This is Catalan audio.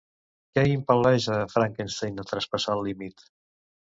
Què impel·leix a Frankenstein a traspassar el límit?